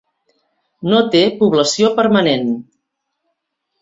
No té població permanent.